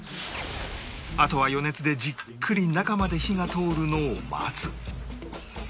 あとは余熱でじっくり中まで火が通るのを待つ